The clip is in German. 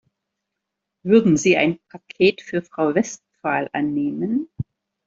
Würden Sie ein Paket für Frau Westphal annehmen?